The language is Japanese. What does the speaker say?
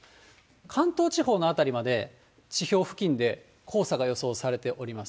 関東地方の辺りまで、地表付近で黄砂が予想されております。